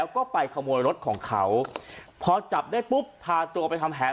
ก็ไปขโมยรถของเขาพอจับได้ปุ๊บพาตัวไปทำแผน